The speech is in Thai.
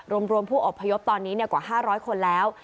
รวมผู้อบพยพตอนนี้กว่า๕๐๐คนแล้ว